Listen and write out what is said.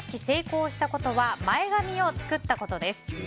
成功したことは前髪を作ったことです。